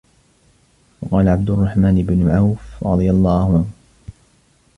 وَقَالَ عَبْدُ الرَّحْمَنِ بْنُ عَوْفٍ رَضِيَ اللَّهُ